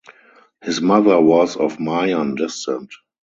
His mother was of Mayan descent.